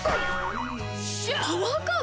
パワーカーブ